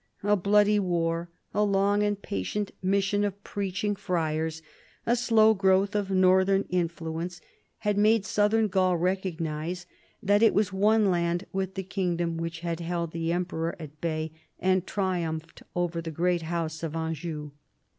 A bloody war, a long and patient mission of preaching friars, a slow growth of northern influence, had made Southern Gaul recognise that it was one land with the kingdom which had held the emperor at bay and triumphed over the great house of Anjou.